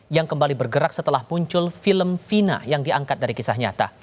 yang kembali bergerak setelah muncul film fina yang diangkat dari kisah nyata